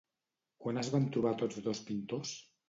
Quan es van trobar tots dos pintors?